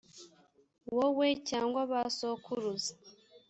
wowe cyangwa ba sokuruza